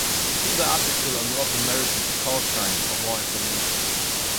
See the article on North American call signs for more information.